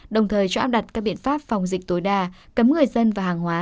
đồng thời cho áp đặt các biện pháp phòng dịch tối đa cấm người dân và hàng hóa